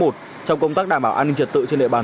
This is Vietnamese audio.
trong công tác đảm bảo an ninh trật tự trên địa bàn